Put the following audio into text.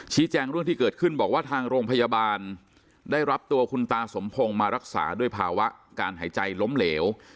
แจ้งเรื่องที่เกิดขึ้นบอกว่าทางโรงพยาบาลได้รับตัวคุณตาสมพงศ์มารักษาด้วยภาวะการหายใจล้มเหลว